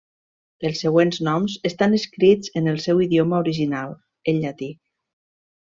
Els següents noms estan escrits en el seu idioma original, el llatí.